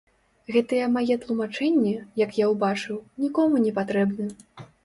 Гэтыя мае тлумачэнні, як я ўбачыў, нікому не патрэбны.